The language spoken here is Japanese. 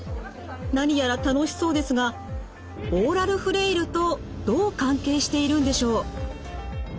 何やら楽しそうですがオーラルフレイルとどう関係しているんでしょう？